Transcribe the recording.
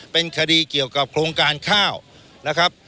เป็นคดีเกี่ยวกับโครงการข้าวนะครับ